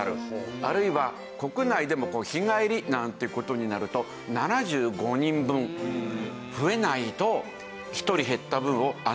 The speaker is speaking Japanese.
あるいは国内でも日帰りなんていう事になると７５人分増えないと１人減った分を穴埋めできない。